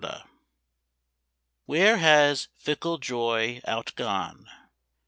SOttQ HERE has fickle Joy out gone?